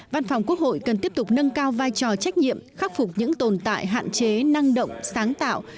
văn phòng quốc hội cần tiếp tục nâng cao vai trò trách nhiệm khắc phục những tồn tại hạn chế năng động sáng tạo